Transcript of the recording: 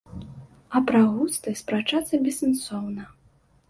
А пра густы спрачацца бессэнсоўна.